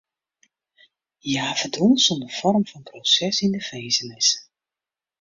Hja ferdwûn sonder foarm fan proses yn de finzenis.